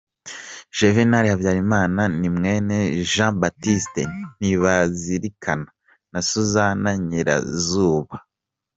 Juvénal Habyarimana ni mwene Jean-Baptiste Ntibazilikana na Suzanne Nyirazuba.